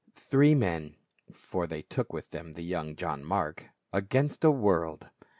Three men — for they took with them the young John Mark — against a world !